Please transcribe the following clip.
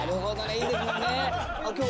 いいですもんね。